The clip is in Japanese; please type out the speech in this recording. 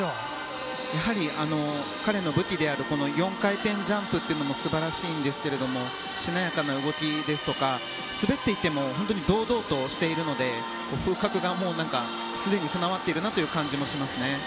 やはり彼の武器である４回転ジャンプも素晴らしいんですがしなやかな動きですとか滑っていても堂々としているので風格がすでに備わっているなと感じますね。